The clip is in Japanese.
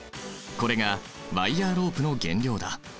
これがワイヤーロープの原料だ。